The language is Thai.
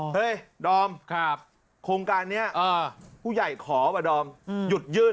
เฮ้ยดอมโครงการนี้ผู้ใหญ่ขอว่ะดอมหยุดยื่น